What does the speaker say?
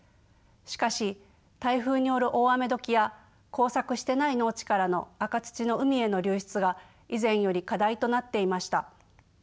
しかし台風による大雨時や耕作してない農地からの赤土の海への流出が以前より課題となっていました。